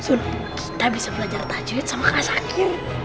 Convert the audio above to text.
sudah kita bisa belajar tajwid sama kak syakir